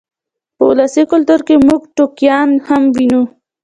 په ولسي کلتور کې موږ ټوکیان هم وینو.